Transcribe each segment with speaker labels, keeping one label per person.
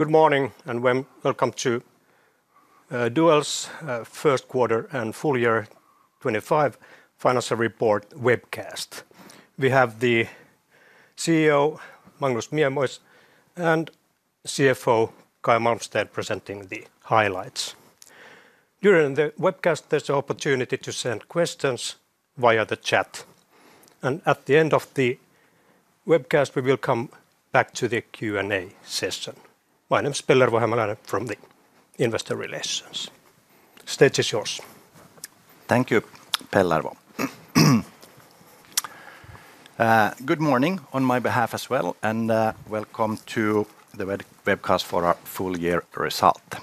Speaker 1: Good morning and welcome to Duell's first quarter and full year 2025 financial report webcast. We have the CEO, Magnus Miemois, and CFO, Caj Malmsten, presenting the highlights. During the webcast, there's an opportunity to send questions via the chat, and at the end of the webcast, we will come back to the Q&A session. My name is Pellervo Hämäläinen from Investor Relations. Stage is yours.
Speaker 2: Thank you, Pellervo. Good morning on my behalf as well, and welcome to the webcast for our full year result.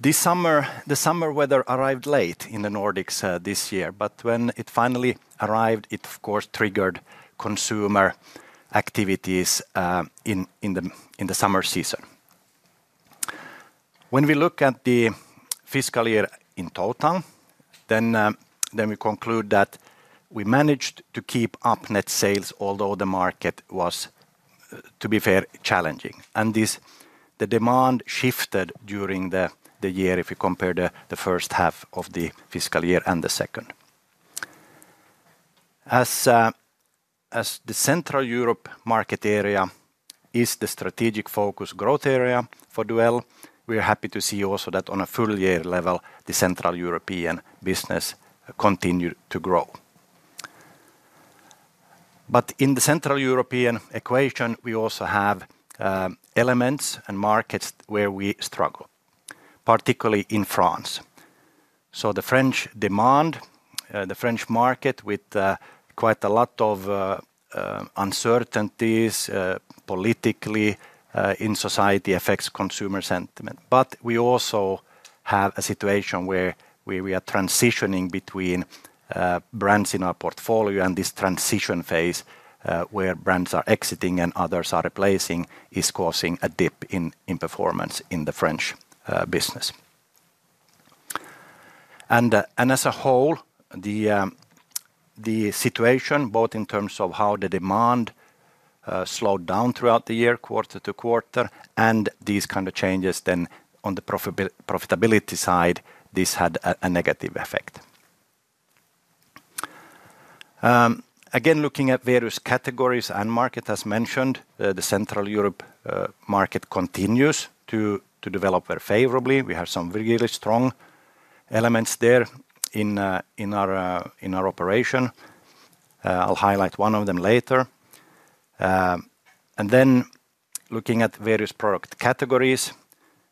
Speaker 2: The summer weather arrived late in the Nordics this year, but when it finally arrived, it of course triggered consumer activities in the summer season. When we look at the fiscal year in total, then we conclude that we managed to keep up net sales, although the market was, to be fair, challenging, and the demand shifted during the year if you compare the first half of the fiscal year and the second. As the Central Europe market area is the strategic focus growth area for Duell, we are happy to see also that on a full year level, the Central European business continued to grow. In the Central European equation, we also have elements and markets where we struggle, particularly in France. The French demand, the French market, with quite a lot of uncertainties politically in society affects consumer sentiment. We also have a situation where we are transitioning between brands in our portfolio, and this transition phase where brands are exiting and others are replacing is causing a dip in performance in the French business. As a whole, the situation both in terms of how the demand slowed down throughout the year, quarter to quarter, and these kind of changes then on the profitability side, this had a negative effect. Again, looking at various categories and markets, as mentioned, the Central Europe market continues to develop very favorably. We have some really strong elements there in our operation. I'll highlight one of them later. Looking at various product categories,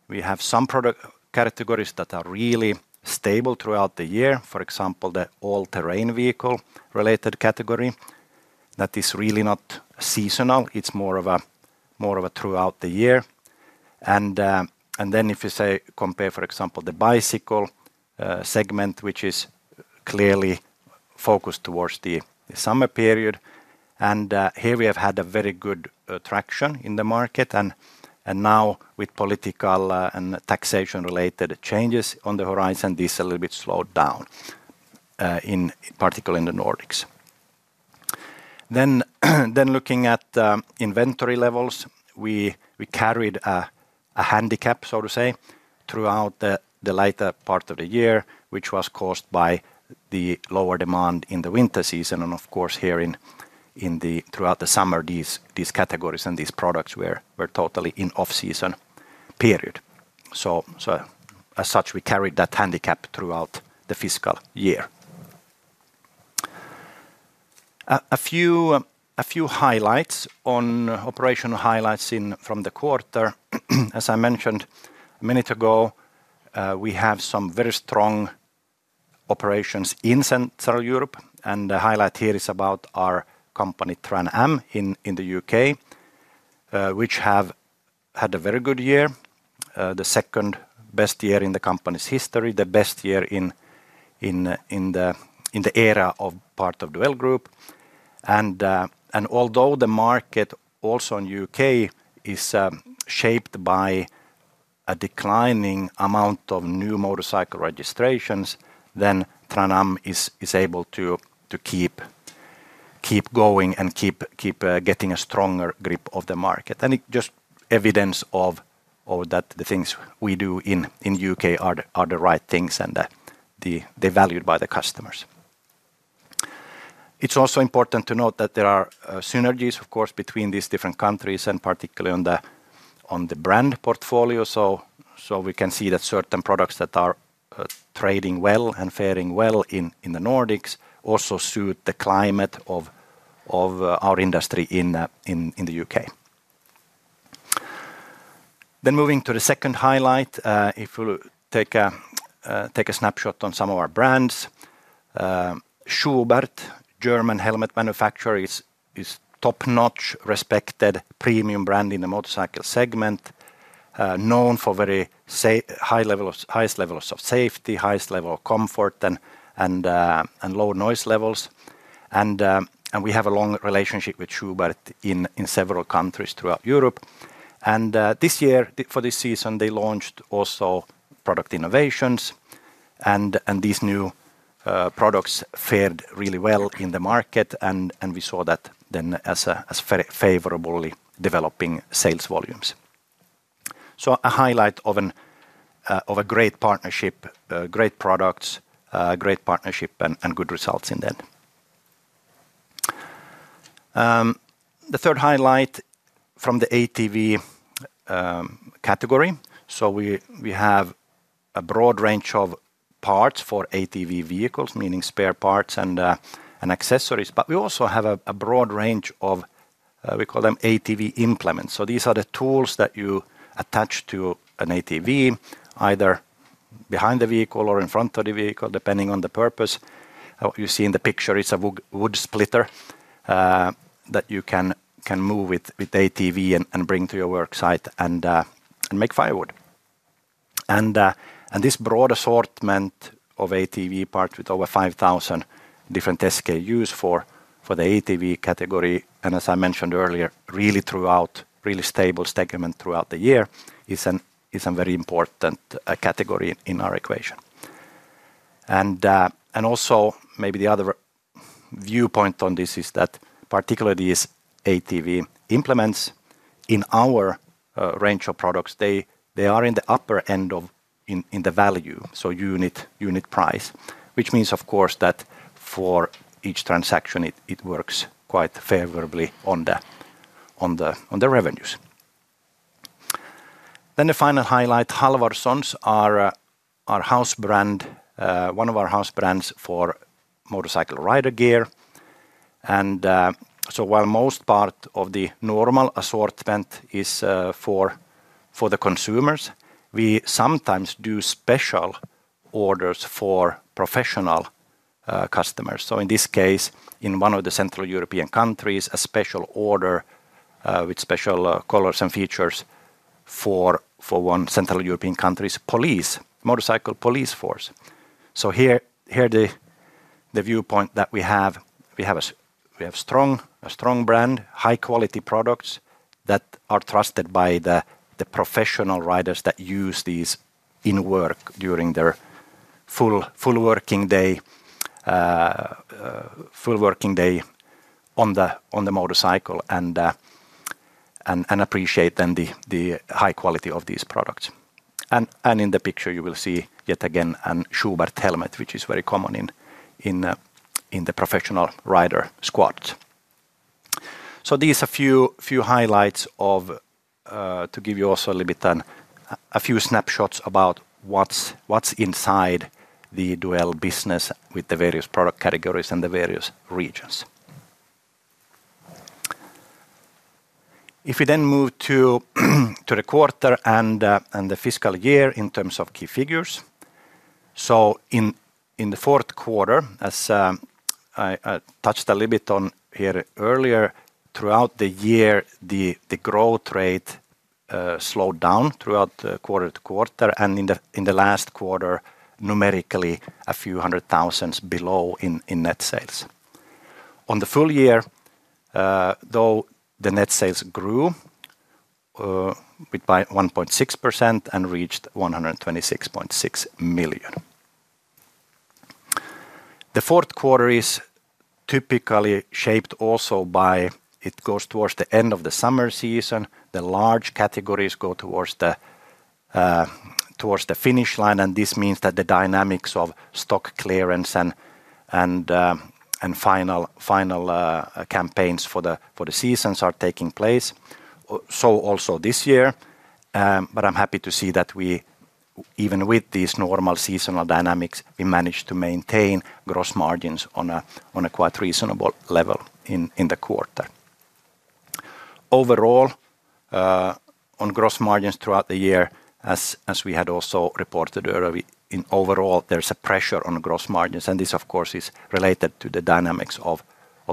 Speaker 2: we have some product categories that are really stable throughout the year. For example, the all-terrain vehicle related category that is really not seasonal. It's more of a throughout the year. If you say compare, for example, the bicycle segment, which is clearly focused towards the summer period, and here we have had a very good traction in the market, and now with political and taxation related changes on the horizon, this a little bit slowed down, particularly in the Nordics. Looking at inventory levels, we carried a handicap, so to say, throughout the later part of the year, which was caused by the lower demand in the winter season, and here throughout the summer, these categories and these products were totally in off-season period. As such, we carried that handicap throughout the fiscal year. A few highlights on operational highlights from the quarter. As I mentioned a minute ago, we have some very strong operations in Central Europe, and the highlight here is about our company Tran-Am in the U.K., which had a very good year, the second best year in the company's history, the best year in the era of part of Duell Group. Although the market also in the U.K. is shaped by a declining amount of new motorcycle registrations, Tran-Am is able to keep going and keep getting a stronger grip of the market. It's just evidence that the things we do in the U.K. are the right things and they're valued by the customers. It's also important to note that there are synergies, of course, between these different countries and particularly on the brand portfolio. We can see that certain products that are trading well and faring well in the Nordics also suit the climate of our industry in the U.K. Moving to the second highlight, if we take a snapshot on some of our brands, Schuberth, German helmet manufacturer, is a top-notch, respected premium brand in the motorcycle segment, known for very high levels of safety, highest level of comfort, and low noise levels. We have a long relationship with Schuberth in several countries throughout Europe. This year, for this season, they launched also product innovations, and these new products fared really well in the market, and we saw that as favorably developing sales volumes. A highlight of a great partnership, great products, great partnership, and good results in them. The third highlight from the ATV category. We have a broad range of parts for ATV vehicles, meaning spare parts and accessories, but we also have a broad range of, we call them ATV implements. These are the tools that you attach to an ATV, either behind the vehicle or in front of the vehicle, depending on the purpose. You see in the picture, it's a wood splitter that you can move with ATV and bring to your worksite and make firewood. This broad assortment of ATV parts with over 5,000 different SKUs for the ATV category, and as I mentioned earlier, really throughout really stable segment throughout the year, is a very important category in our equation. Also maybe the other viewpoint on this is that particularly these ATV implements in our range of products, they are in the upper end of the value, so unit price, which means of course that for each transaction, it works quite favorably on the revenues. The final highlight, Halvarssons are one of our house brands for motorcycle rider gear. While most part of the normal assortment is for the consumers, we sometimes do special orders for professional customers. In this case, in one of the Central European countries, a special order with special colors and features for one Central European country's police, motorcycle police force. Here the viewpoint that we have, we have a strong brand, high quality products that are trusted by the professional riders that use these in work during their full working day on the motorcycle and appreciate the high quality of these products. In the picture, you will see yet again a Schuberth helmet, which is very common in the professional rider squads. These are a few highlights to give you also a few snapshots about what's inside the Duell business with the various product categories and the various regions. If we move to the quarter and the fiscal year in terms of key figures, in the fourth quarter, as I touched a little bit on here earlier, throughout the year, the growth rate slowed down throughout quarter to quarter, and in the last quarter, numerically a few hundred thousands below in net sales. On the full year, though, the net sales grew by 1.6% and reached 126.6 million. The fourth quarter is typically shaped also by, it goes towards the end of the summer season, the large categories go towards the finish line, and this means that the dynamics of stock clearance and final campaigns for the seasons are taking place. Also this year, I'm happy to see that we, even with these normal seasonal dynamics, managed to maintain gross margins on a quite reasonable level in the quarter. Overall, on gross margins throughout the year, as we had also reported earlier, overall, there's a pressure on gross margins, and this of course is related to the dynamics of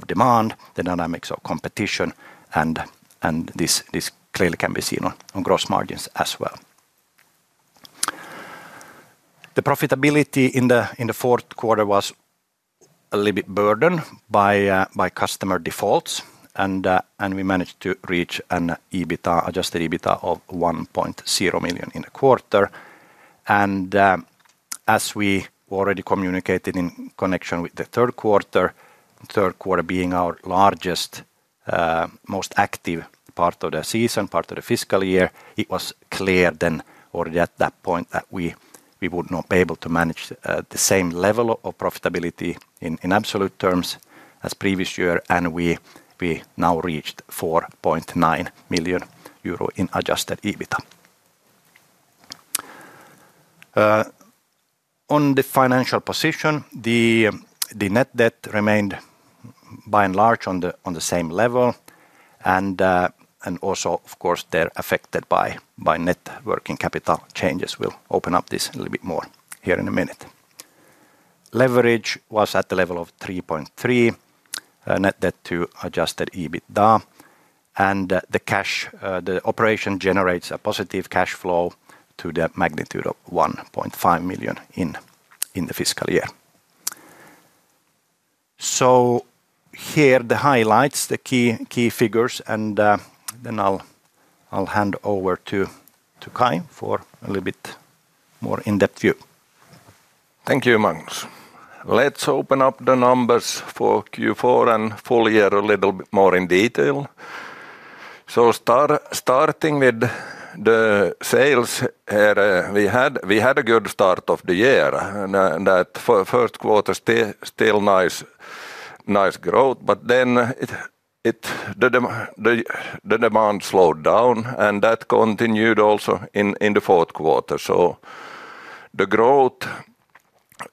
Speaker 2: demand, the dynamics of competition, and this clearly can be seen on gross margins as well. The profitability in the fourth quarter was a little bit burdened by customer defaults, and we managed to reach an adjusted EBITDA of 1.0 million in the quarter. As we already communicated in connection with the third quarter, the third quarter being our largest, most active part of the season, part of the fiscal year, it was clear then already at that point that we would not be able to manage the same level of profitability in absolute terms as previous year, and we now reached 4.9 million euro in adjusted EBITDA. On the financial position, the net debt remained by and large on the same level, and also, of course, they're affected by net working capital changes. We'll open up this a little bit more here in a minute. Leverage was at the level of 3.3, net debt to adjusted EBITDA, and the operation generates a positive cash flow to the magnitude of 1.5 million in the fiscal year. Here are the highlights, the key figures, and then I'll hand over to Caj for a little bit more in-depth view.
Speaker 3: Thank you, Magnus. Let's open up the numbers for Q4 and full year a little bit more in detail. Starting with the sales here, we had a good start of the year. The first quarter still nice growth, but then the demand slowed down, and that continued also in the fourth quarter. The growth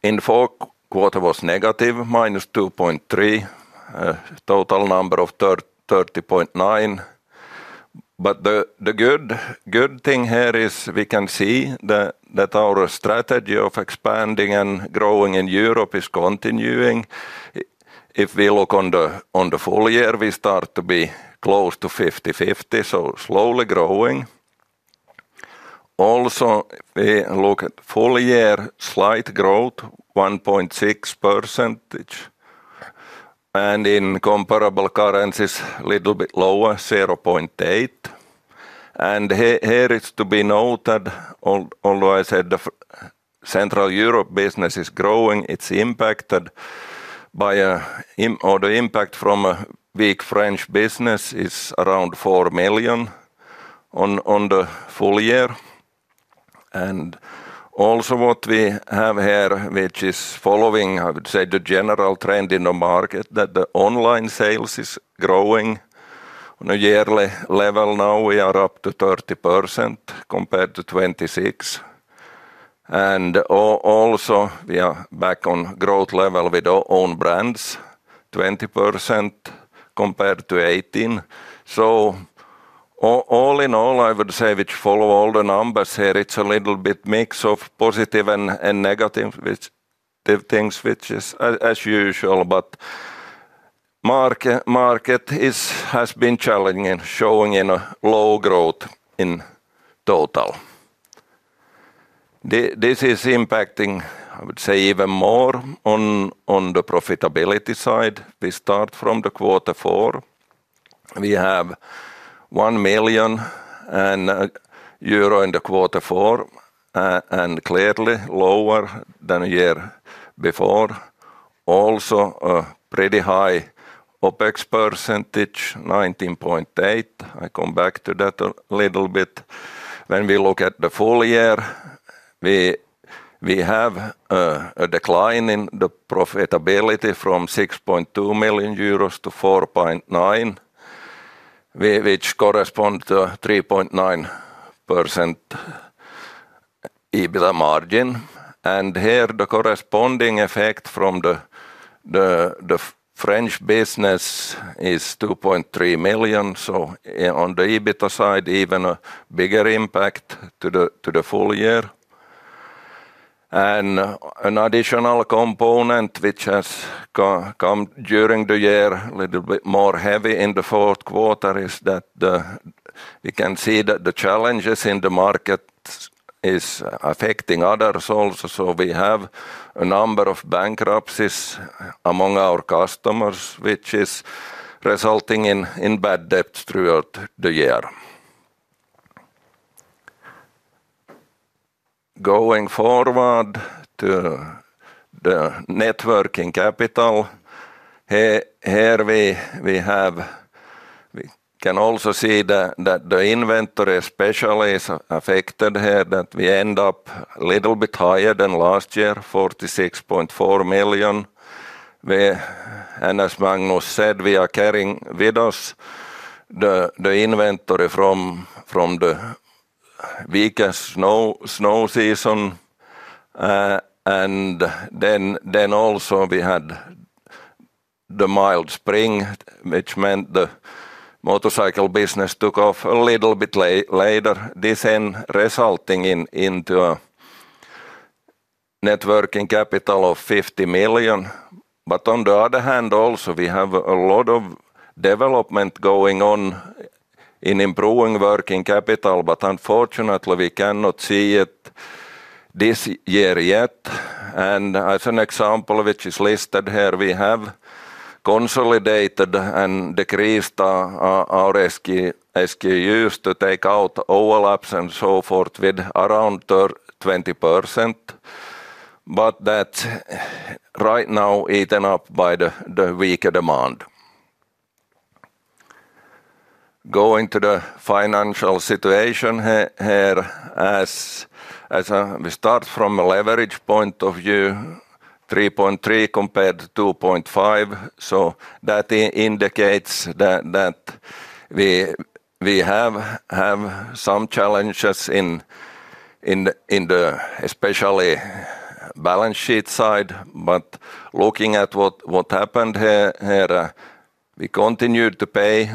Speaker 3: in the fourth quarter was negative, -2.3%, total number of 30.9. The good thing here is we can see that our strategy of expanding and growing in Europe is continuing. If we look on the full year, we start to be close to 50/50, so slowly growing. Also, if we look at full year, slight growth, 1.6%, and in comparable currencies, a little bit lower, 0.8%. Here it's to be noted, although I said the Central Europe business is growing, it's impacted by the impact from a weak French business, which is around 4 million on the full year. Also, what we have here, which is following, I would say, the general trend in the market, is that the online sales is growing. On a year level now, we are up to 30% compared to 26%. We are back on growth level with our own brands, 20% compared to 18%. All in all, I would say, which follow all the numbers here, it's a little bit mix of positive and negative, which are things which are as usual, but the market has been challenging, showing in a low growth in total. This is impacting, I would say, even more on the profitability side. We start from the quarter four. We have 1 million euro in the quarter four, and clearly lower than a year before. Also, a pretty high OpEx percentage, 19.8%. I come back to that a little bit. When we look at the full year, we have a decline in the profitability from 6.2 million euros to 4.9 million, which corresponds to 3.9% EBITDA margin. The corresponding effect from the French business is 2.3 million. On the EBITDA side, even a bigger impact to the full year. An additional component which has come during the year, a little bit more heavy in the fourth quarter, is that we can see that the challenges in the market are affecting others also. We have a number of bankruptcies among our customers, which is resulting in bad debts throughout the year. Going forward to the networking capital, here we can also see that the inventory especially is affected here, that we end up a little bit higher than last year, 46.4 million. As Magnus said, we are carrying with us the inventory from the weakest snow season. We had the mild spring, which meant the motorcycle business took off a little bit later, resulting in a networking capital of 50 million. On the other hand, we have a lot of development going on in improving working capital, but unfortunately we cannot see it this year yet. As an example, which is listed here, we have consolidated and decreased our SKUs to take out overlaps and so forth with around 20%. That's right now eaten up by the weaker demand. Going to the financial situation here, as we start from a leverage point of view, 3.3 compared to 2.5. That indicates that we have some challenges in the especially balance sheet side. Looking at what happened here, we continued to pay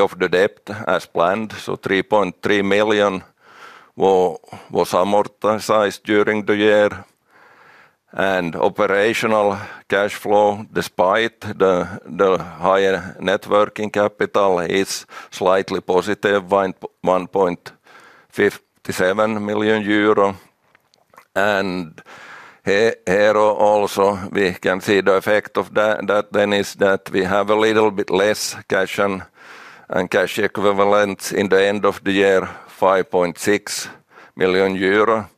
Speaker 3: off the debt as planned. 3.3 million was amortized during the year. Operational cash flow, despite the higher networking capital, is slightly positive, 1.57 million euro. Here also we can see the effect of that. That then is that we have a little bit less cash and cash equivalents at the end of the year, 5.6 million euro.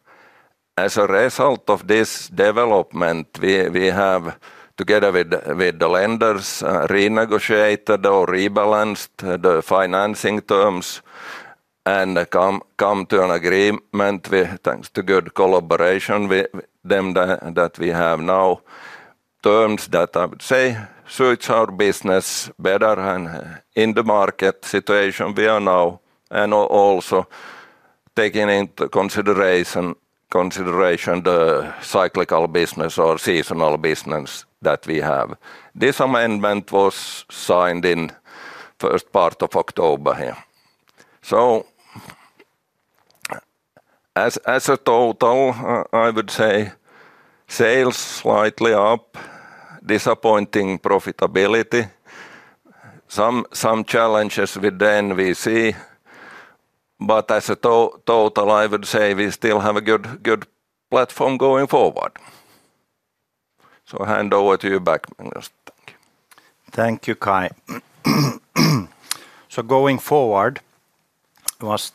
Speaker 3: As a result of this development, we have, together with the lenders, renegotiated or rebalanced the financing terms and come to an agreement, thanks to good collaboration with them that we have now. Terms that I would say suit our business better in the market situation we are now, and also taking into consideration the cyclical business or seasonal business that we have. This amendment was signed in the first part of October. As a total, I would say sales slightly up, disappointing profitability, some challenges with then we see. As a total, I would say we still have a good platform going forward. I hand over to you back, Magnus.
Speaker 2: Thank you, Caj. Going forward was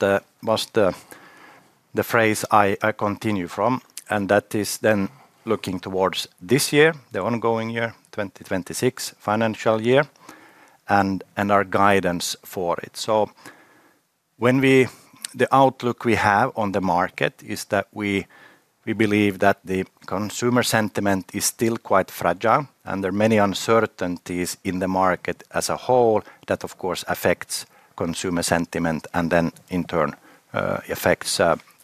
Speaker 2: the phrase I continue from, and that is then looking towards this year, the ongoing year, 2026 financial year, and our guidance for it. When we, the outlook we have on the market is that we believe that the consumer sentiment is still quite fragile, and there are many uncertainties in the market as a whole that of course affects consumer sentiment and then in turn affects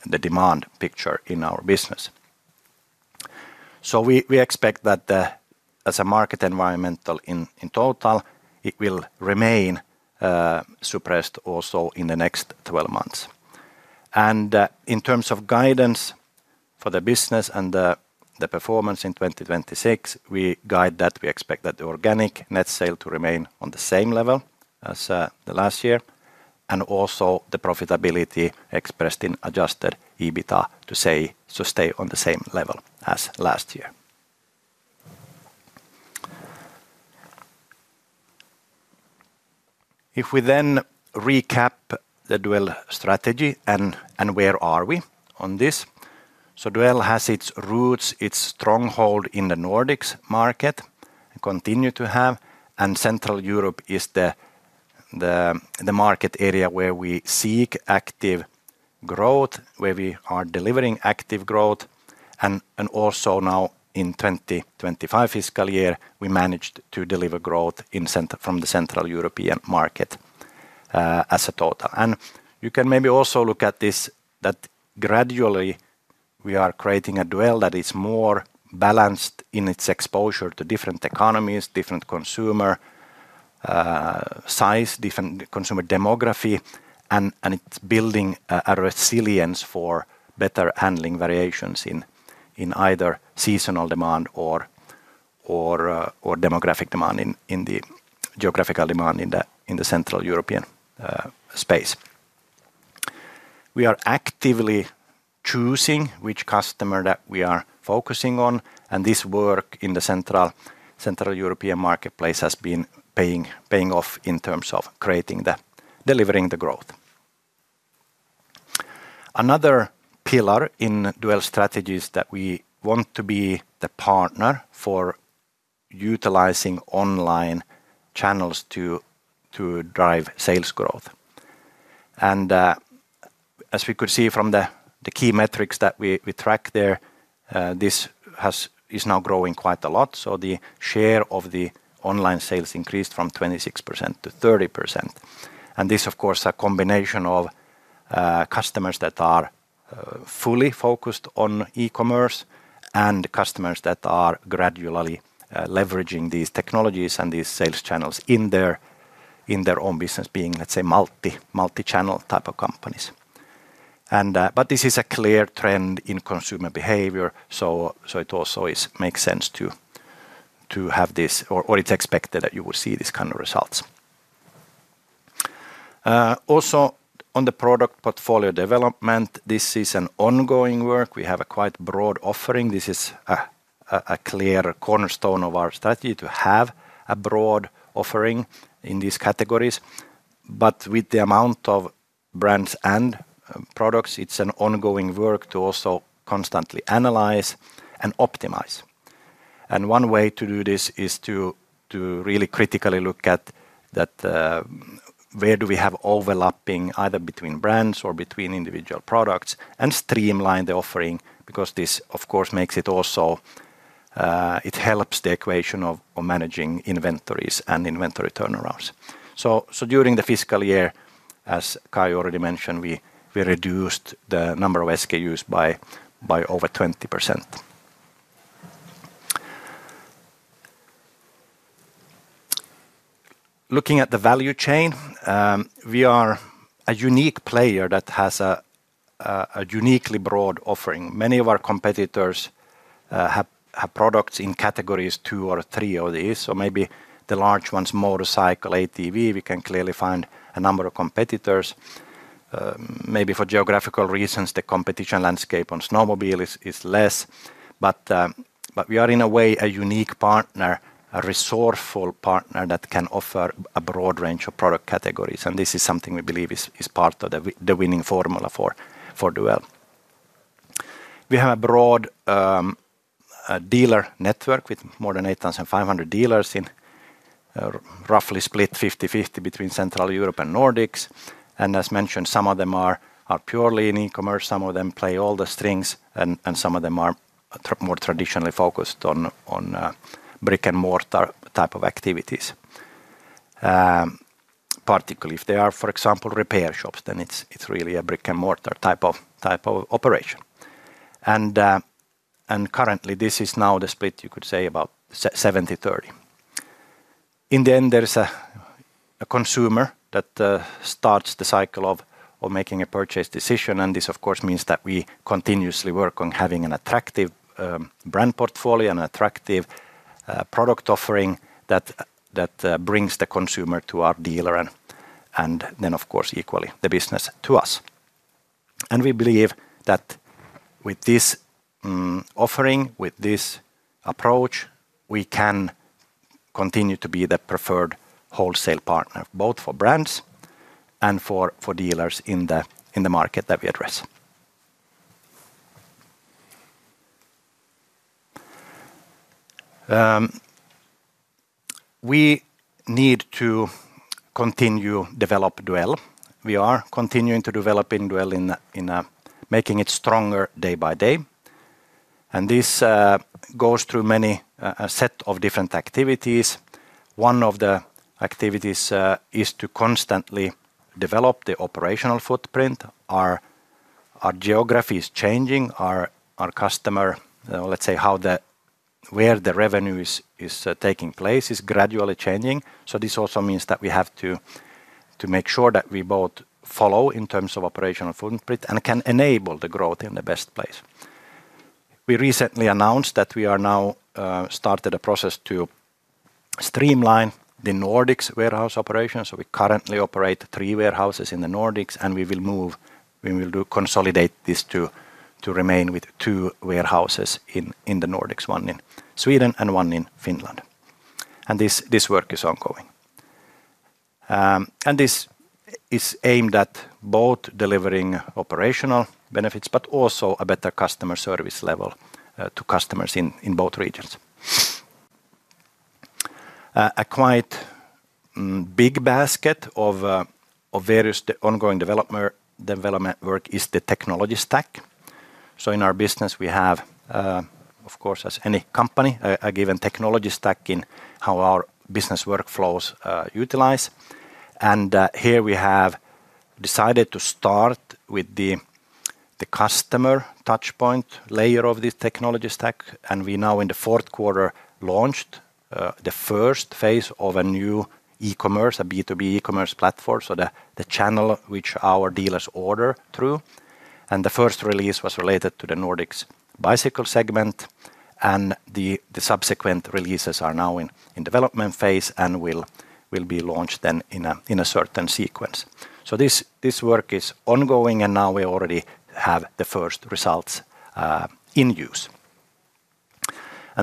Speaker 2: the demand picture in our business. We expect that as a market environment in total, it will remain suppressed also in the next 12 months. In terms of guidance for the business and the performance in 2026, we guide that we expect that the organic net sales to remain on the same level as last year, and also the profitability expressed in adjusted EBITDA to stay on the same level as last year. If we then recap the Duell strategy and where are we on this, Duell has its roots, its stronghold in the Nordics market and continue to have, and Central Europe is the market area where we seek active growth, where we are delivering active growth, and also now in the 2025 fiscal year, we managed to deliver growth from the Central European market as a total. You can maybe also look at this that gradually we are creating a Duell that is more balanced in its exposure to different economies, different consumer size, different consumer demography, and it's building a resilience for better handling variations in either seasonal demand or demographic demand in the geographical demand in the Central European space. We are actively choosing which customer that we are focusing on, and this work in the Central European marketplace has been paying off in terms of creating the delivering the growth. Another pillar in Duell strategies is that we want to be the partner for utilizing online channels to drive sales growth. As we could see from the key metrics that we track there, this is now growing quite a lot. The share of the online sales increased from 26% to 30%. This is of course a combination of customers that are fully focused on e-commerce and customers that are gradually leveraging these technologies and these sales channels in their own business, being, let's say, multi-channel type of companies. This is a clear trend in consumer behavior, so it also makes sense to have this, or it's expected that you will see these kind of results. Also, on the product portfolio development, this is an ongoing work. We have a quite broad offering. This is a clear cornerstone of our strategy to have a broad offering in these categories. With the amount of brands and products, it's an ongoing work to also constantly analyze and optimize. One way to do this is to really critically look at where we have overlapping either between brands or between individual products and streamline the offering, because this, of course, helps the equation of managing inventories and inventory turnarounds. During the fiscal year, as Caj already mentioned, we reduced the number of SKUs by over 20%. Looking at the value chain, we are a unique player that has a uniquely broad offering. Many of our competitors have products in categories two or three of these, so maybe the large ones, motorcycle, all-terrain vehicle, we can clearly find a number of competitors. For geographical reasons, the competition landscape on snowmobile is less, but we are in a way a unique partner, a resourceful partner that can offer a broad range of product categories, and this is something we believe is part of the winning formula for Duell. We have a broad dealer network with more than 8,500 dealers roughly split 50/50 between Central Europe and Nordics, and as mentioned, some of them are purely in e-commerce, some of them play all the strings, and some of them are more traditionally focused on brick-and-mortar type of activities. Particularly if they are, for example, repair shops, then it's really a brick-and-mortar type of operation. Currently, this is now the split, you could say, about 70/30. In the end, there's a consumer that starts the cycle of making a purchase decision, and this, of course, means that we continuously work on having an attractive brand portfolio and an attractive product offering that brings the consumer to our dealer and then, of course, equally the business to us. We believe that with this offering, with this approach, we can continue to be the preferred wholesale partner, both for brands and for dealers in the market that we address. We need to continue to develop Duell. We are continuing to develop Duell in making it stronger day by day, and this goes through many sets of different activities. One of the activities is to constantly develop the operational footprint. Our geography is changing. Our customer, let's say, where the revenue is taking place is gradually changing. This also means that we have to make sure that we both follow in terms of operational footprint and can enable the growth in the best place. We recently announced that we are now starting the process to streamline the Nordics warehouse operation. We currently operate three warehouses in the Nordics, and we will consolidate this to remain with two warehouses in the Nordics, one in Sweden and one in Finland. This work is ongoing. This is aimed at both delivering operational benefits, but also a better customer service level to customers in both regions. A quite big basket of various ongoing development work is the technology stack. In our business, we have, of course, as any company, a given technology stack in how our business workflows utilize. Here we have decided to start with the customer touchpoint layer of this technology stack. We now, in the fourth quarter, launched the first phase of a new B2B e-commerce platform, the channel which our dealers order through. The first release was related to the Nordics bicycle segment. The subsequent releases are now in development phase and will be launched in a certain sequence. This work is ongoing, and now we already have the first results in use.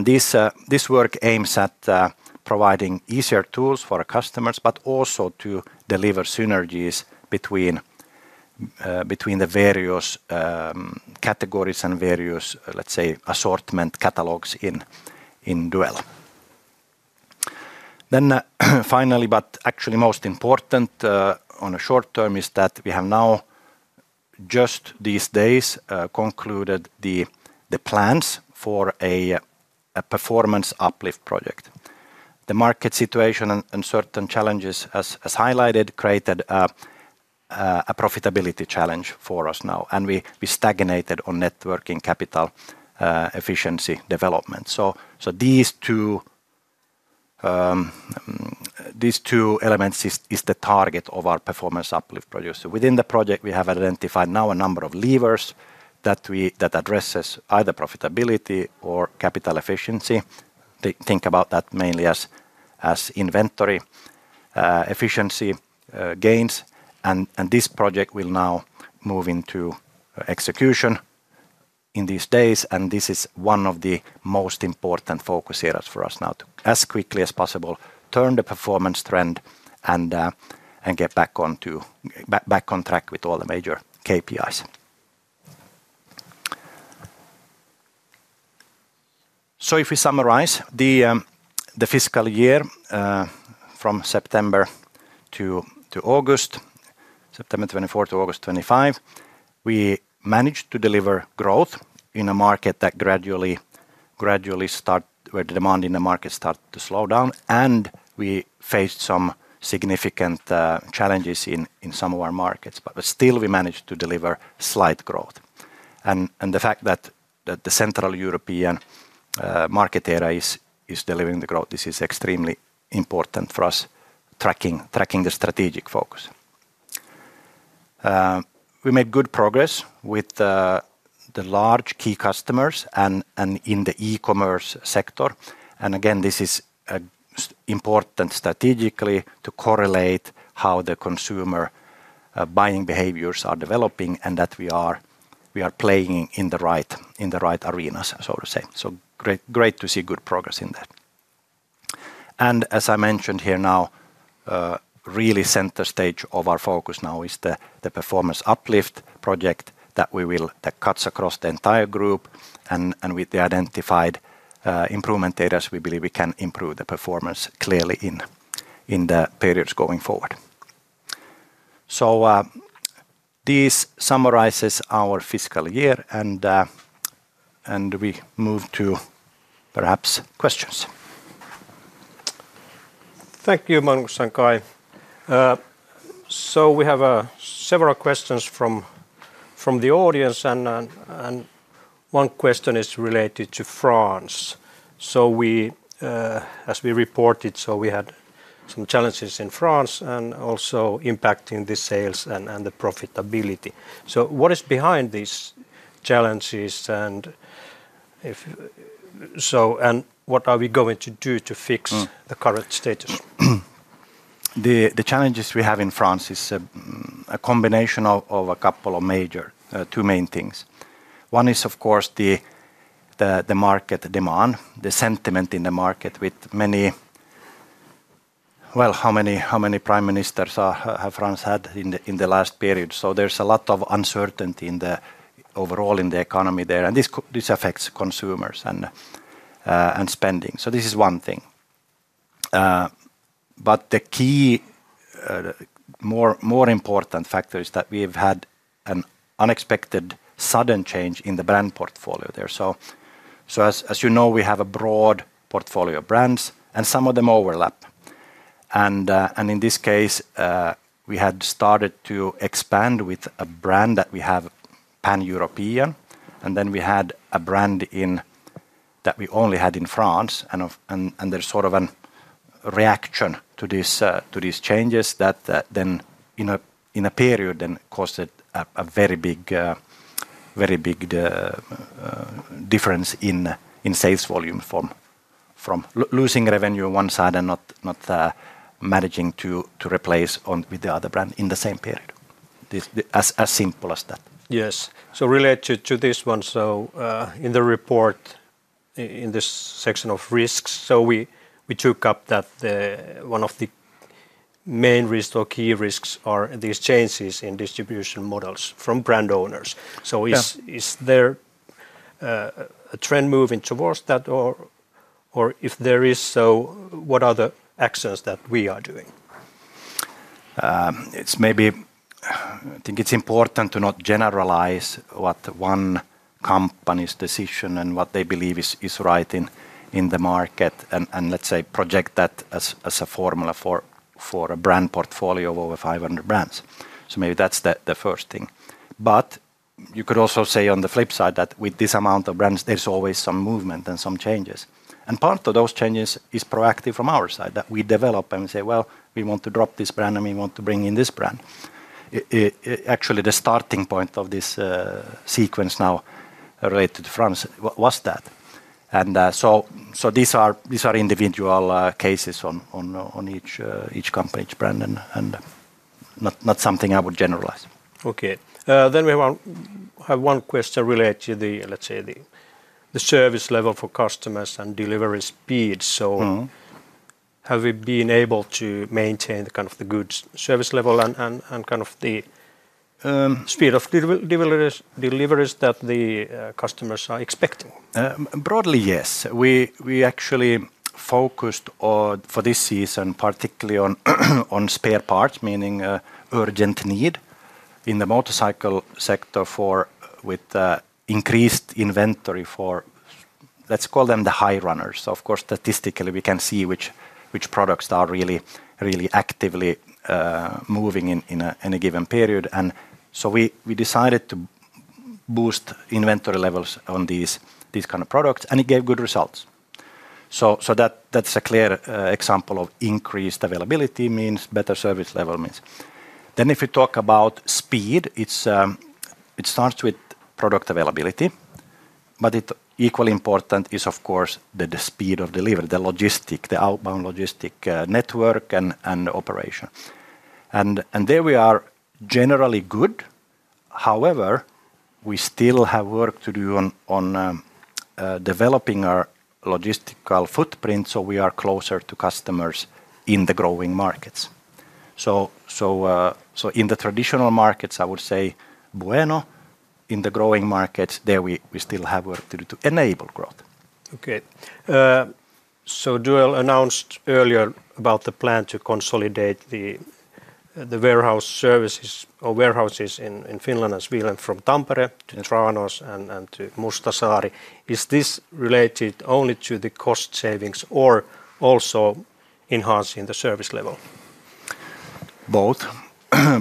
Speaker 2: This work aims at providing easier tools for our customers, but also to deliver synergies between the various categories and various, let's say, assortment catalogs in Duell. Finally, but actually most important on a short term, is that we have now just these days concluded the plans for a performance uplift project. The market situation and certain challenges, as highlighted, created a profitability challenge for us now. We stagnated on networking capital efficiency development. These two elements are the target of our performance uplift project. Within the project, we have identified now a number of levers that address either profitability or capital efficiency. Think about that mainly as inventory efficiency gains. This project will now move into execution in these days. This is one of the most important focus areas for us now to, as quickly as possible, turn the performance trend and get back on track with all the major KPIs. If we summarize the fiscal year from September to August, September 2024 to August 2025, we managed to deliver growth in a market that gradually started, where the demand in the market started to slow down. We faced some significant challenges in some of our markets, but still we managed to deliver slight growth. The fact that the Central European market area is delivering the growth is extremely important for us, tracking the strategic focus. We made good progress with the large key customers and in the e-commerce sector. This is important strategically to correlate how the consumer buying behaviors are developing and that we are playing in the right arenas, so to say. Great to see good progress in that. As I mentioned here now, really center stage of our focus now is the performance uplift project that cuts across the entire group. With the identified improvement areas, we believe we can improve the performance clearly in the periods going forward. This summarizes our fiscal year, and we move to perhaps questions.
Speaker 1: Thank you, Magnus and Caj. We have several questions from the audience, and one question is related to France. As we reported, we had some challenges in France and also impacting the sales and the profitability. What is behind these challenges, and what are we going to do to fix the current status?
Speaker 2: The challenges we have in France are a combination of a couple of major, two main things. One is, of course, the market demand, the sentiment in the market with many, how many Prime Ministers has France had in the last period. There's a lot of uncertainty overall in the economy there, and this affects consumers and spending. This is one thing. The key, more important factor is that we've had an unexpected sudden change in the brand portfolio there. As you know, we have a broad portfolio of brands, and some of them overlap. In this case, we had started to expand with a brand that we have pan-European, and then we had a brand that we only had in France. There's sort of a reaction to these changes that, in a period, caused a very big difference in sales volume from losing revenue on one side and not managing to replace with the other brand in the same period. As simple as that.
Speaker 1: Yes, related to this one, in the report, in this section of risks, we took up that one of the main risks or key risks are these changes in distribution models from brand owners. Is there a trend moving towards that, or if there is, what are the actions that we are doing?
Speaker 2: I think it's important to not generalize what one company's decision and what they believe is right in the market, and project that as a formula for a brand portfolio of over 500 brands. Maybe that's the first thing. You could also say on the flip side that with this amount of brands, there's always some movement and some changes. Part of those changes is proactive from our side, that we develop and say, we want to drop this brand and we want to bring in this brand. Actually, the starting point of this sequence now related to France was that. These are individual cases on each company, each brand, and not something I would generalize.
Speaker 1: Okay, we have one question related to the service level for customers and delivery speed. Have we been able to maintain the kind of good service level and the speed of deliveries that the customers are expecting?
Speaker 2: Broadly, yes. We actually focused for this season, particularly on spare parts, meaning urgent need in the motorcycle sector with increased inventory for, let's call them the high runners. Of course, statistically we can see which products are really, really actively moving in a given period. We decided to boost inventory levels on these kind of products, and it gave good results. That's a clear example of increased availability means better service level. If we talk about speed, it starts with product availability, but equally important is, of course, the speed of delivery, the logistics, the outbound logistics network and operation. We are generally good there. However, we still have work to do on developing our logistical footprint, so we are closer to customers in the growing markets. In the traditional markets, I would say bueno. In the growing markets, we still have work to do to enable growth.
Speaker 1: Okay, so Duell announced earlier about the plan to consolidate the warehouse services or warehouses in Finland and Sweden from Tampere to Tranås and to Mustasaari. Is this related only to the cost savings or also enhancing the service level?
Speaker 2: Both.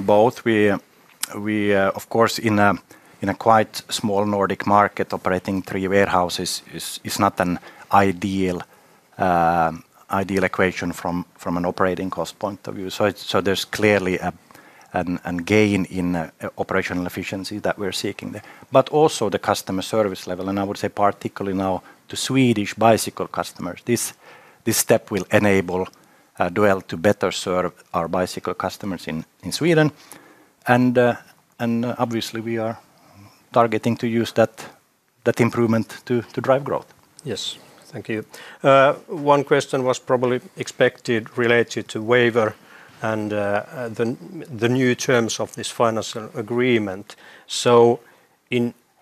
Speaker 2: Both. We, of course, in a quite small Nordic market operating three warehouses, it's not an ideal equation from an operating cost point of view. There's clearly a gain in operational efficiency that we're seeking there, but also the customer service level. I would say particularly now to Swedish bicycle customers, this step will enable Duell to better serve our bicycle customers in Sweden. Obviously, we are targeting to use that improvement to drive growth.
Speaker 1: Yes, thank you. One question was probably expected related to waiver and the new terms of this financial agreement.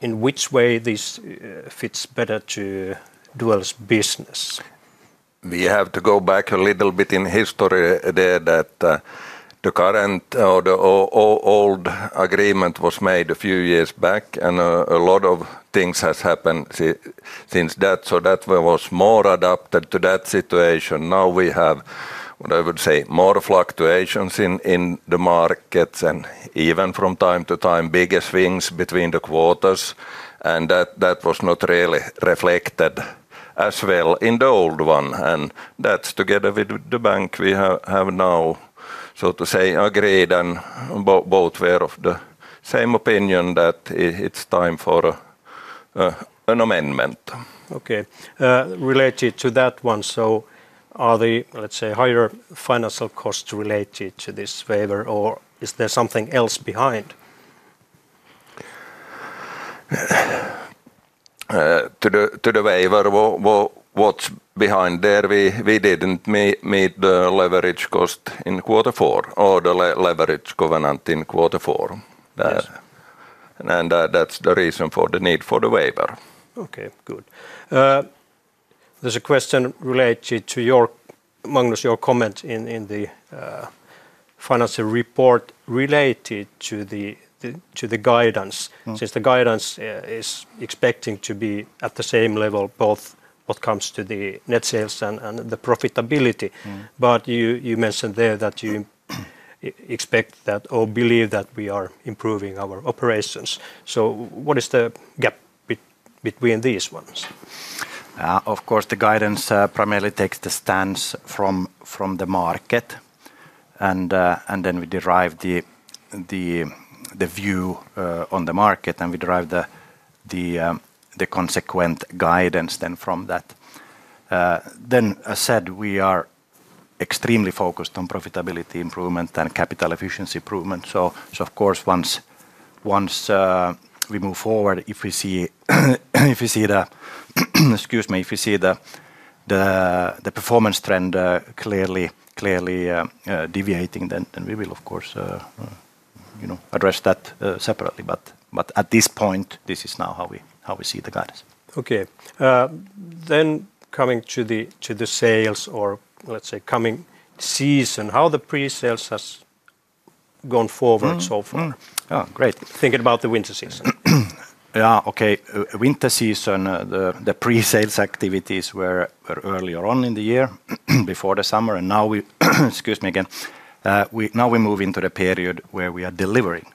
Speaker 1: In which way this fits better to Duell's business?
Speaker 3: We have to go back a little bit in history there, that the current or the old agreement was made a few years back, and a lot of things have happened since that. That was more adapted to that situation. Now we have, what I would say, more fluctuations in the markets, and even from time to time, bigger swings between the quarters. That was not really reflected as well in the old one. Together with the bank, we have now, so to say, agreed, and both were of the same opinion that it's time for an amendment.
Speaker 1: Okay, related to that one, are the, let's say, higher financial costs related to this waiver, or is there something else behind?
Speaker 3: To the waiver, what's behind there? We didn't meet the leverage covenant in quarter four, and that's the reason for the need for the waiver.
Speaker 1: Okay, good. There's a question related to your, Magnus, your comment in the financial report related to the guidance, since the guidance is expecting to be at the same level, both what comes to the net sales and the profitability. You mentioned there that you expect that, or believe that we are improving our operations. What is the gap between these ones?
Speaker 2: Of course, the guidance primarily takes the stance from the market, and then we derive the view on the market, and we derive the consequent guidance from that. As I said, we are extremely focused on profitability improvement and capital efficiency improvement. Of course, once we move forward, if we see the performance trend clearly deviating, we will of course address that separately. At this point, this is now how we see the guidance.
Speaker 1: Okay, coming to the sales, or let's say coming season, how the pre-sales has gone forward so far?
Speaker 2: Great, thinking about the winter season. Yeah, okay, winter season, the pre-sales activities were earlier on in the year before the summer, and now we, excuse me, now we move into the period where we are delivering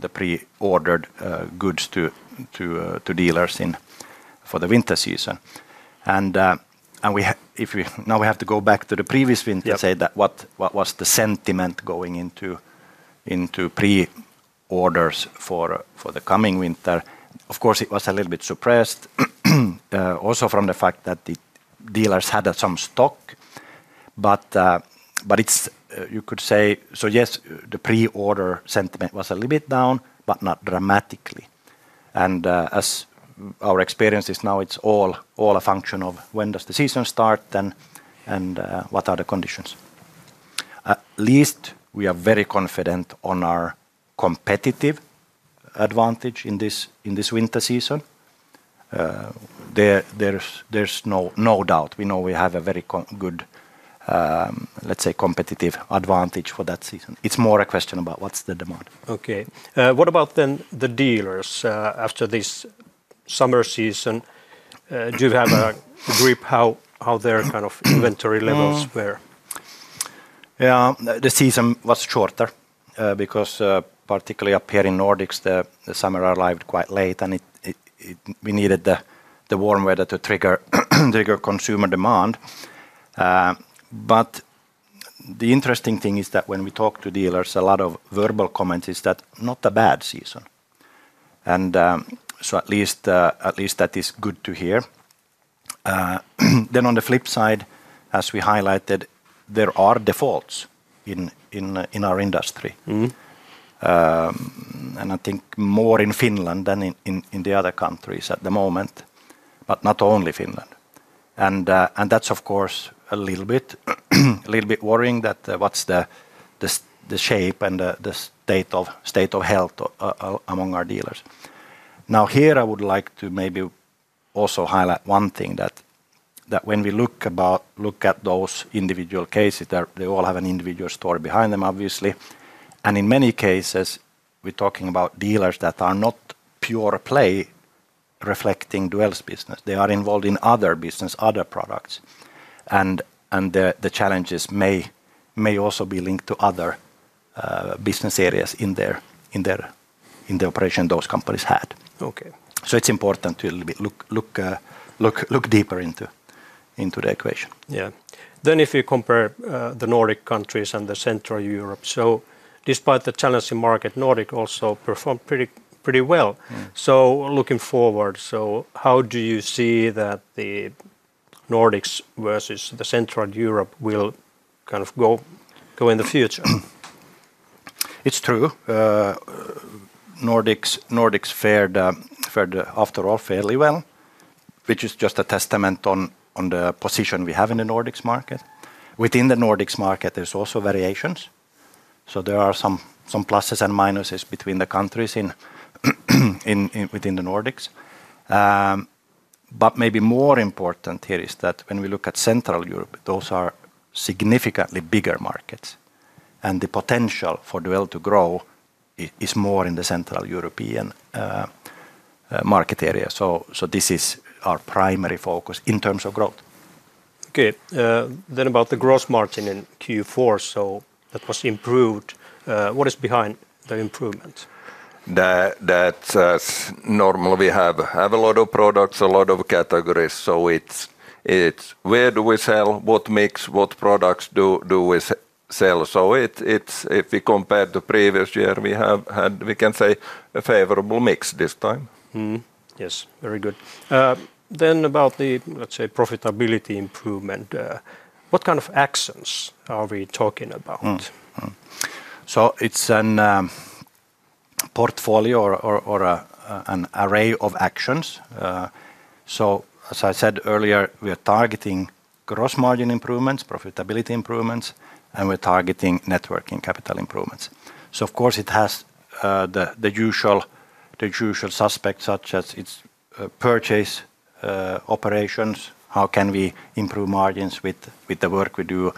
Speaker 2: the pre-ordered goods to dealers for the winter season. If we now have to go back to the previous winter, say that what was the sentiment going into pre-orders for the coming winter? Of course, it was a little bit suppressed, also from the fact that the dealers had some stock, but you could say, so yes, the pre-order sentiment was a little bit down, but not dramatically. As our experience is now, it's all a function of when does the season start, and what are the conditions. At least we are very confident on our competitive advantage in this winter season. There's no doubt. We know we have a very good, let's say, competitive advantage for that season. It's more a question about what's the demand.
Speaker 1: Okay, what about the dealers after this summer season? Do you have a grip how their kind of inventory levels were?
Speaker 2: The season was shorter, because particularly up here in the Nordics, the summer arrived quite late, and we needed the warm weather to trigger consumer demand. The interesting thing is that when we talk to dealers, a lot of verbal comments is that not a bad season, so at least that is good to hear. On the flip side, as we highlighted, there are defaults in our industry. I think more in Finland than in the other countries at the moment, but not only Finland. That's of course a little bit worrying, what's the shape and the state of health among our dealers. Here I would like to maybe also highlight one thing, that when we look at those individual cases, they all have an individual story behind them, obviously. In many cases, we're talking about dealers that are not pure play reflecting Duell's business. They are involved in other business, other products, and the challenges may also be linked to other business areas in the operation those companies had. It's important to look deeper into the equation.
Speaker 1: If you compare the Nordics and Central Europe, despite the challenging market, Nordics also performed pretty well. Looking forward, how do you see that the Nordics versus Central Europe will kind of go in the future?
Speaker 2: It's true. Nordics fared after all fairly well, which is just a testament on the position we have in the Nordics market. Within the Nordics market, there's also variations. There are some pluses and minuses between the countries within the Nordics. Maybe more important here is that when we look at Central Europe, those are significantly bigger markets. The potential for Duell to grow is more in the Central European market area. This is our primary focus in terms of growth.
Speaker 1: Okay. About the gross margin in Q4, that was improved. What is behind the improvement?
Speaker 3: That's normal. We have a lot of products, a lot of categories. It's where do we sell, what mix, what products do we sell? If we compare to the previous year, we can say a favorable mix this time.
Speaker 1: Yes, very good. About the, let's say, profitability improvement, what kind of actions are we talking about?
Speaker 2: It's a portfolio or an array of actions. As I said earlier, we are targeting gross margin improvements, profitability improvements, and we're targeting networking capital improvements. It has the usual suspects, such as its purchase operations. How can we improve margins with the work we do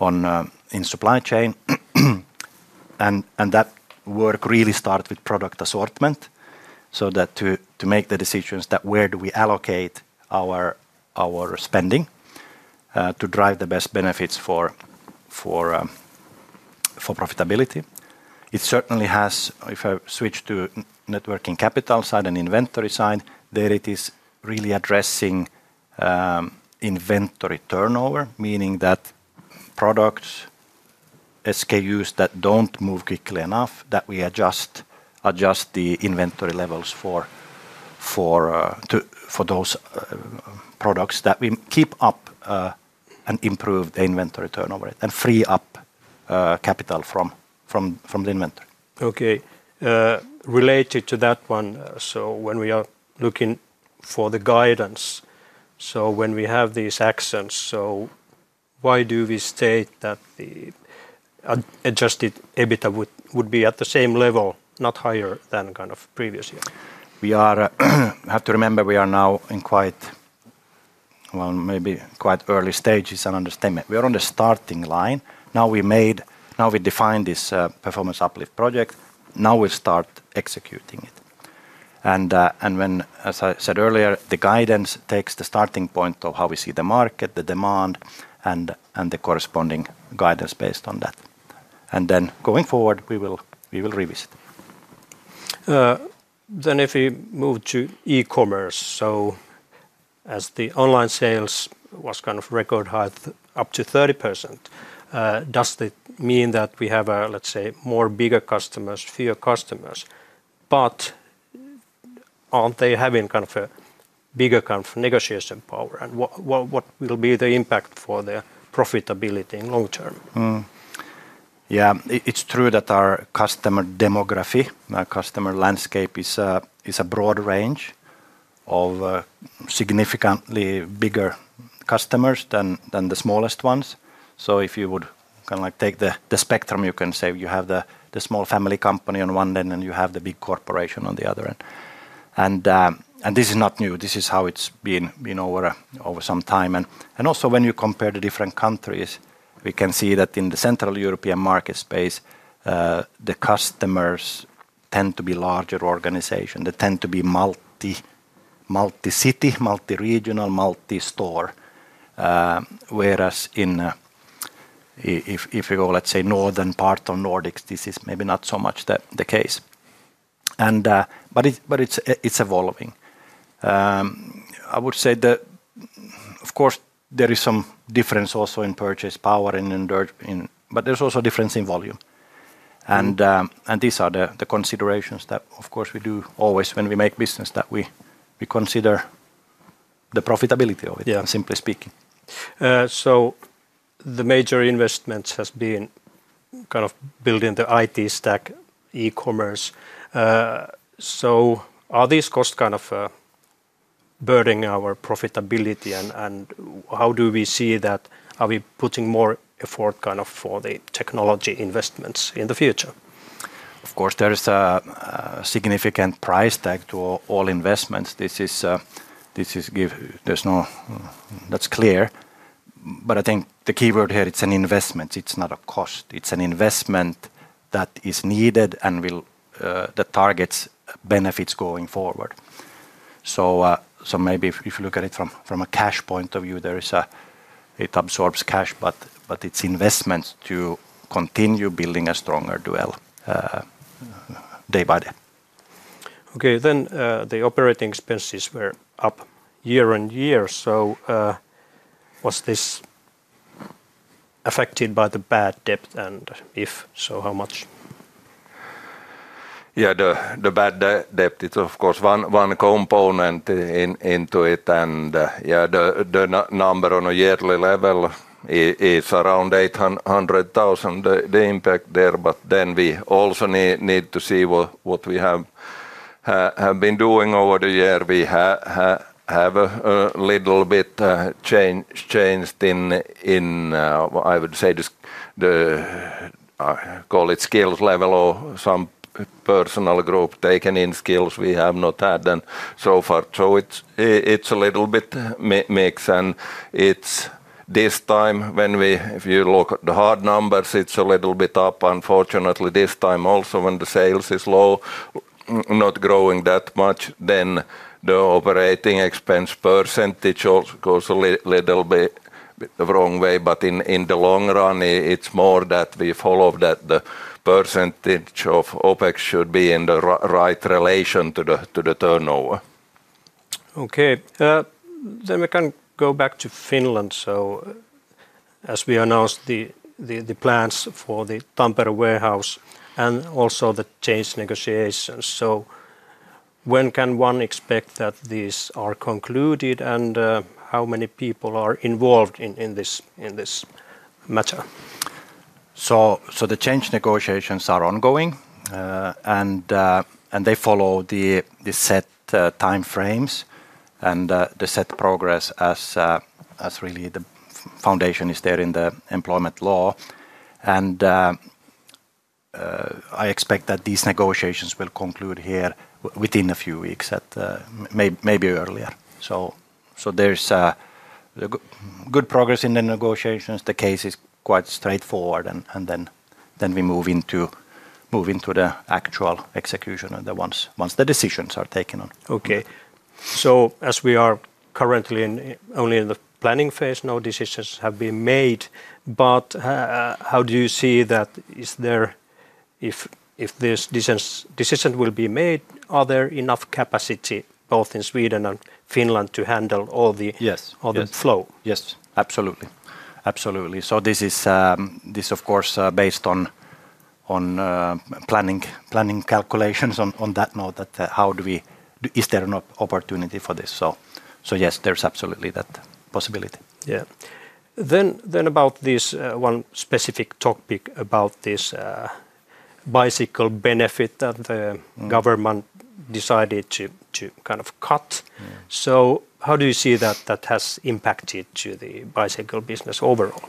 Speaker 2: in supply chain? That work really starts with product assortment, so that to make the decisions that where do we allocate our spending to drive the best benefits for profitability. It certainly has, if I switch to networking capital side and inventory side, there it is really addressing inventory turnover, meaning that products, SKUs that don't move quickly enough, that we adjust the inventory levels for those products that we keep up and improve the inventory turnover and free up capital from the inventory.
Speaker 1: Okay. Related to that one, when we are looking for the guidance, when we have these actions, why do we state that the adjusted EBITDA would be at the same level, not higher than kind of previous year?
Speaker 2: We have to remember we are now in quite, maybe quite early stages and understand that we are on the starting line. Now we defined this performance uplift project. Now we start executing it. As I said earlier, the guidance takes the starting point of how we see the market, the demand, and the corresponding guidance based on that. Going forward, we will revisit.
Speaker 1: If we move to e-commerce, as the online sales was kind of record high, up to 30%, does it mean that we have a, let's say, more bigger customers, fewer customers, but aren't they having kind of a bigger kind of negotiation power? What will be the impact for the profitability in the long term?
Speaker 2: Yeah, it's true that our customer demography, our customer landscape is a broad range of significantly bigger customers than the smallest ones. If you would kind of take the spectrum, you can say you have the small family company on one end and you have the big corporation on the other end. This is not new. This is how it's been over some time. Also, when you compare the different countries, we can see that in the Central European market space, the customers tend to be larger organizations. They tend to be multi-city, multi-regional, multi-store. Whereas if you go, let's say, northern part of Nordics, this is maybe not so much the case. It's evolving. I would say that, of course, there is some difference also in purchase power, but there's also a difference in volume. These are the considerations that, of course, we do always when we make business, that we consider the profitability of it, simply speaking.
Speaker 1: The major investments have been kind of building the IT stack, e-commerce. Are these costs kind of burning our profitability, and how do we see that? Are we putting more effort kind of for the technology investments in the future?
Speaker 2: Of course, there is a significant price tag to all investments. That's clear. I think the keyword here, it's an investment. It's not a cost. It's an investment that is needed and that targets benefits going forward. If you look at it from a cash point of view, it absorbs cash, but it's investments to continue building a stronger Duell day by day.
Speaker 1: Okay, the operating expenses were up year on year. Was this affected by the bad debt, and if so, how much?
Speaker 3: Yeah, the bad debt, it's of course one component into it. Yeah, the number on a yearly level is around 800,000. The impact there, but then we also need to see what we have been doing over the year. We have a little bit changed in, I would say, the skills level or some personal group taking in skills. We have not had them so far. It's a little bit mixed. If you look at the hard numbers, it's a little bit up. Unfortunately, this time also when the sales are low, not growing that much, the operating expense percentage goes a little bit the wrong way. In the long run, it's more that we follow that the percentage of OpEx should be in the right relation to the turnover.
Speaker 1: Okay, we can go back to Finland. As we announced the plans for the Tampere warehouse and also the change negotiations, when can one expect that these are concluded and how many people are involved in this matter?
Speaker 2: The change negotiations are ongoing and they follow the set timeframes and the set progress as really the foundation is there in the employment law. I expect that these negotiations will conclude here within a few weeks, maybe earlier. There's good progress in the negotiations. The case is quite straightforward and then we move into the actual execution once the decisions are taken on.
Speaker 1: Okay, as we are currently only in the planning phase, no decisions have been made. How do you see that? If these decisions will be made, are there enough capacity both in Sweden and Finland to handle all the flow?
Speaker 2: Yes, absolutely. This is, of course, based on planning calculations on that note that how do we, is there an opportunity for this? Yes, there's absolutely that possibility.
Speaker 1: Yeah, about this one specific topic about this bicycle benefit that the government decided to kind of cut, how do you see that that has impacted the bicycle business overall?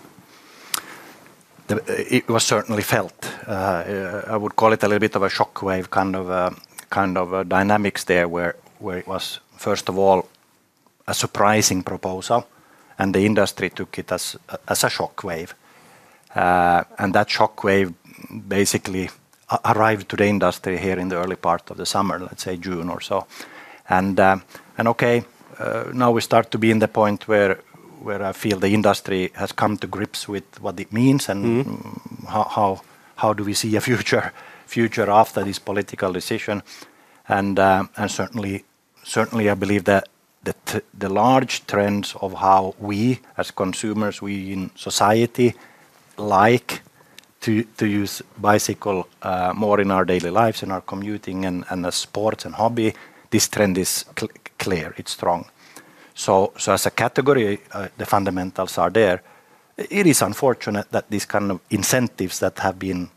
Speaker 2: It was certainly felt. I would call it a little bit of a shockwave kind of dynamics there, where it was, first of all, a surprising proposal, and the industry took it as a shockwave. That shockwave basically arrived to the industry here in the early part of the summer, let's say June or so. Now we start to be in the point where I feel the industry has come to grips with what it means and how do we see a future after this political decision. Certainly, I believe that the large trends of how we as consumers, we in society like to use bicycles more in our daily lives, in our commuting and sports and hobby, this trend is clear. It's strong. As a category, the fundamentals are there. It is unfortunate that these kind of incentives that have been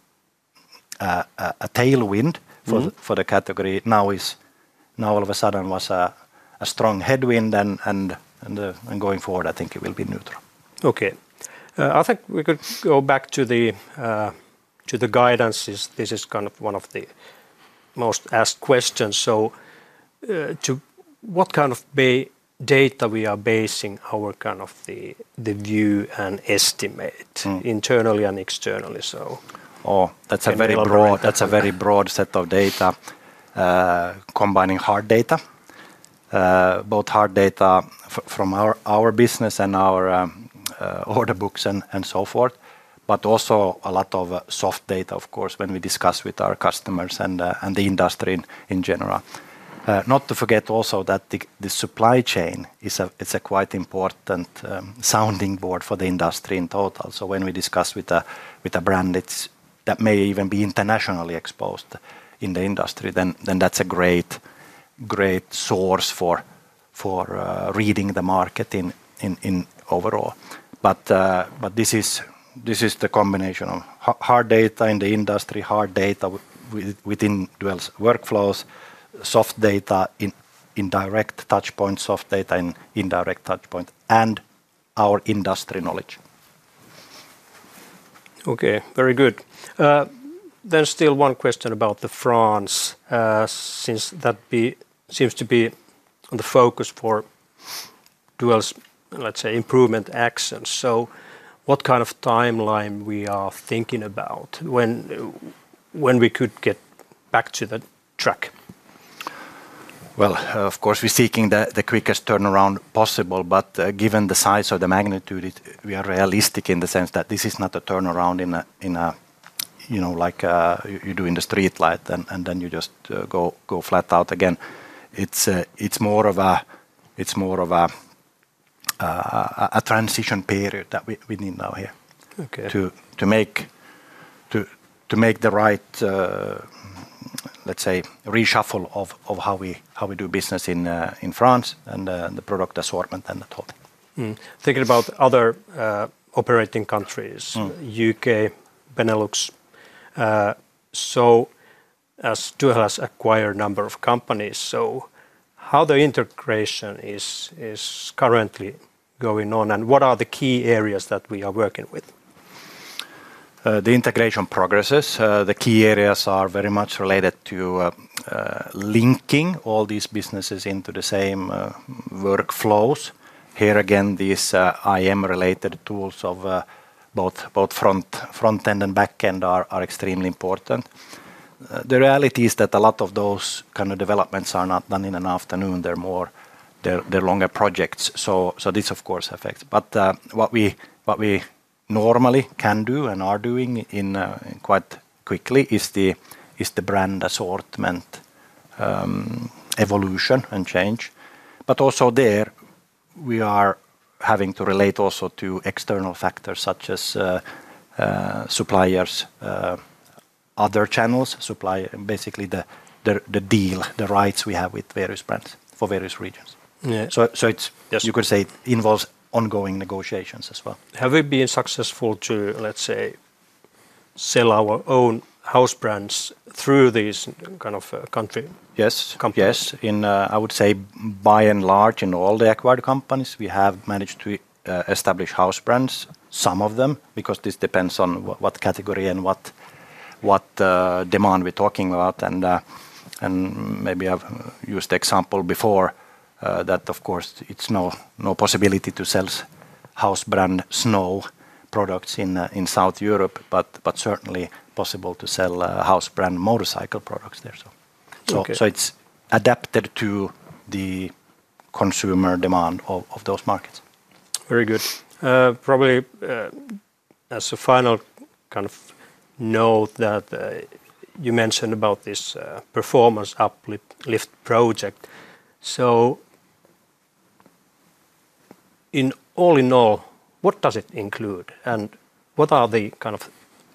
Speaker 2: a tailwind for the category now all of a sudden was a strong headwind, and going forward, I think it will be neutral.
Speaker 1: Okay. I think we could go back to the guidance. This is kind of one of the most asked questions. To what kind of data are we basing our kind of the view and estimate internally and externally?
Speaker 2: Oh, that's a very broad set of data, combining hard data, both hard data from our business and our order books and so forth, but also a lot of soft data, of course, when we discuss with our customers and the industry in general. Not to forget also that the supply chain is a quite important sounding board for the industry in total. When we discuss with a brand that may even be internationally exposed in the industry, that's a great source for reading the market overall. This is the combination of hard data in the industry, hard data within Duell's workflows, soft data in direct touchpoints, soft data in indirect touchpoints, and our industry knowledge.
Speaker 1: Okay, very good. Still, one question about France, since that seems to be on the focus for Duell's, let's say, improvement actions. What kind of timeline are we thinking about when we could get back to the track?
Speaker 2: Of course, we're seeking the quickest turnaround possible, but given the size of the magnitude, we are realistic in the sense that this is not a turnaround in a, you know, like you do in the streetlight and then you just go flat out again. It's more of a transition period that we need now here to make the right, let's say, reshuffle of how we do business in France and the product assortment and the topic.
Speaker 1: Thinking about other operating countries, U.K., Benelux, as Duell has acquired a number of companies, how the integration is currently going on and what are the key areas that we are working with?
Speaker 2: The integration progresses. The key areas are very much related to linking all these businesses into the same workflows. Here again, these IM-related tools of both frontend and backend are extremely important. The reality is that a lot of those kind of developments are not done in an afternoon. They're longer projects, so this of course affects. What we normally can do and are doing quite quickly is the brand assortment evolution and change. Also, there we are having to relate to external factors such as suppliers, other channels, basically the deal, the rights we have with various brands for various regions. You could say it involves ongoing negotiations as well.
Speaker 1: Have we been successful to, let's say, sell our own house brands through these kind of country companies?
Speaker 2: Yes, I would say by and large in all the acquired companies, we have managed to establish house brands, some of them, because this depends on what category and what demand we're talking about. Maybe I've used the example before that, of course, it's no possibility to sell house brand snowmobile products in South Europe, but certainly possible to sell house brand motorcycle products there. It's adapted to the consumer demand of those markets.
Speaker 1: Very good. Probably as a final kind of note, you mentioned about this performance uplift project. In all, what does it include, and what are the kind of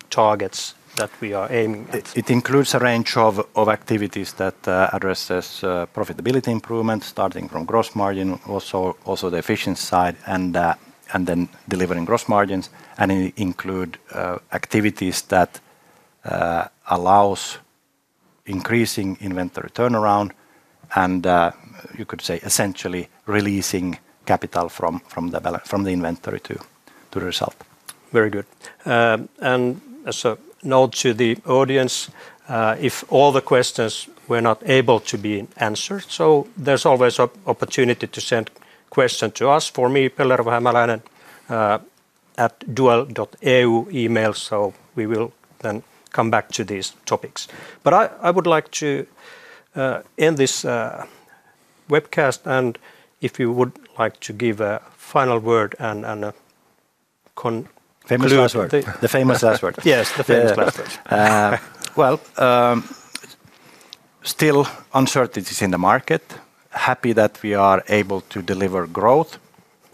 Speaker 1: targets that we are aiming at?
Speaker 2: It includes a range of activities that address profitability improvement, starting from gross margin, also the efficiency side, and then delivering gross margins. It includes activities that allow increasing inventory turnaround, and you could say essentially releasing capital from the inventory to the result.
Speaker 1: Very good. As a note to the audience, if all the questions were not able to be answered, there's always an opportunity to send questions to us, for me, pellervohämäläinen@duell.eu email. We will then come back to these topics. I would like to end this webcast, and if you would like to give a final word and a conclusion.
Speaker 2: The famous last word.
Speaker 1: Yes, the famous last word.
Speaker 2: are still uncertainties in the market. Happy that we are able to deliver growth,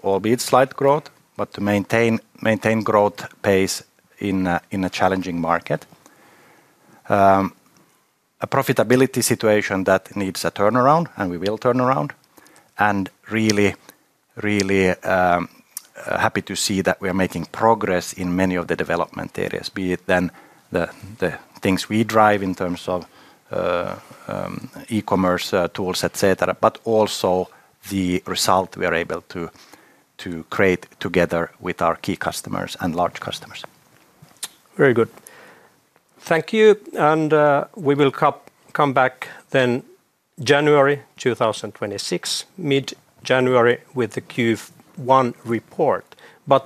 Speaker 2: albeit slight growth, but to maintain growth pace in a challenging market. A profitability situation that needs a turnaround, and we will turn around. Really, really happy to see that we are making progress in many of the development areas, be it then the things we drive in terms of e-commerce tools, etc., but also the result we are able to create together with our key customers and large customers.
Speaker 1: Very good. Thank you, and we will come back then January 2026, mid-January, with the Q1 report.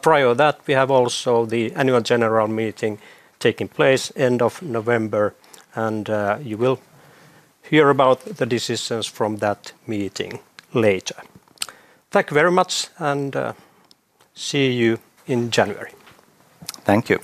Speaker 1: Prior to that, we have also the annual general meeting taking place end of November, and you will hear about the decisions from that meeting later. Thank you very much, and see you in January.
Speaker 2: Thank you.